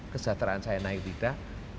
kesejahteraan saya naik tidak